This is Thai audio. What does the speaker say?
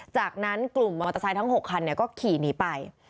จากนั้นกลุ่มมอเตอร์ไซค์ทั้ง๖คันก็ขี่หนีไป